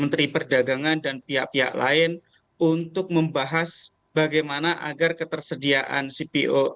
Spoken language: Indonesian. menteri perdagangan dan pihak pihak lain untuk membahas bagaimana agar ketersediaan cpo